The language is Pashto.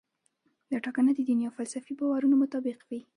دا ټاکنه د دیني او فلسفي باورونو مطابق وي.